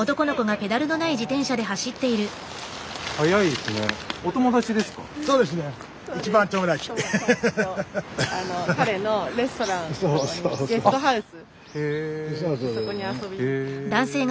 ゲストハウス。